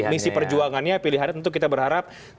misi perjuangannya pilihannya tentu kita berharap